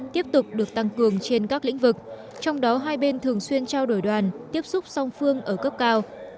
tiếp tục được tăng cường trên các lĩnh vực trong đó hai bên thường xuyên trao đổi đoàn tiếp xúc song phương ở cấp cao